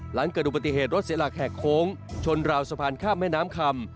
หลังเกิดอุบัติเหตุรถเสียหลักแหกโค้งชนราวสะพานข้ามแม่น้ำคำ